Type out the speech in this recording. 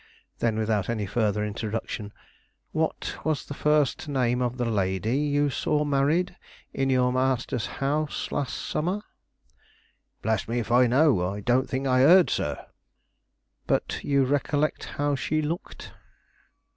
Then, without any further introduction: "What was the first name of the lady you saw married in your master's house last summer?" "Bless me if I know! I don't think I heard, sir." "But you recollect how she looked?"